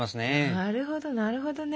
なるほどなるほどね！